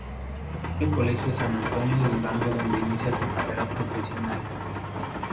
Es en el colegio San Antonio de Durango donde inicia su carrera profesional.